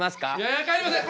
いや帰りません！